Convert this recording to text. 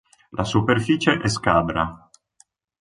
La superficie è scabra.